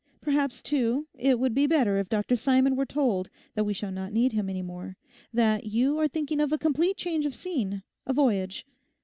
Perhaps, too, it would be better if Dr Simon were told that we shall not need him any more, that you are thinking of a complete change of scene, a voyage.